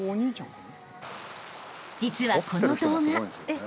［実はこの動画］